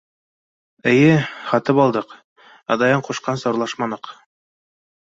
Эйе, һатып алдыҡ, ә Даян ҡушҡанса урлашманыҡ.